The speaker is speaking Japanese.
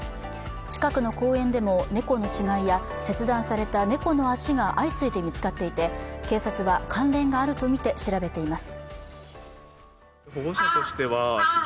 近くの公園でも、猫の死骸や切断された猫の足が相次いで見つかっていて警察は、関連があるとみて調べています。